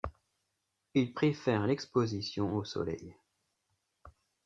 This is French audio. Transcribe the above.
Il préfère l'exposition au soleil.